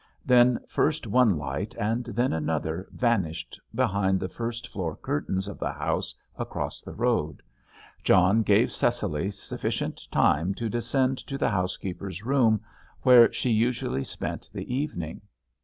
Then first one light, and then another, vanished behind the first floor curtains of the house across the road. John gave Cecily sufficient time to descend to the housekeeper's room, where she usually spent the evening.